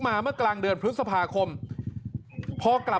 นั่นแหละครับ